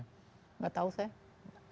nggak tahu saya